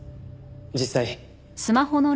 実際。